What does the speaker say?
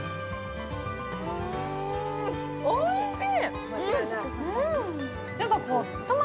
おいしい。